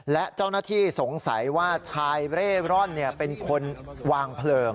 และเจ้าหน้าที่สงสัยว่าชายเร่ร่อนเป็นคนวางเพลิง